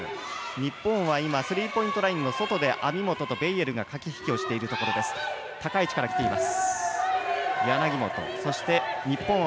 日本はスリーポイントラインの外で網本とベイエルが駆け引きをしています。